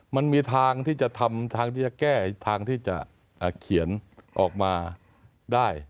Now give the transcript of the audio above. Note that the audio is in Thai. มันมีทางที่จะทำทางที่จะแก้ทางที่จะเขียนออกมาได้